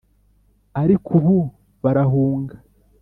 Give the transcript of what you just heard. ariko ubu barahunga